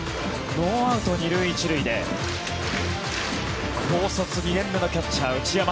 ノーアウト２塁１塁で高卒２年目のキャッチャー内山。